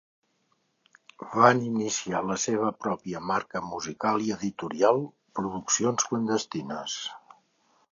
Van iniciar la seva pròpia marca musical i editorial, Productions Clandestines.